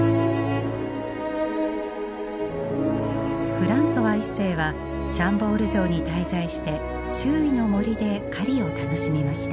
フランソワ一世はシャンボール城に滞在して周囲の森で狩りを楽しみました。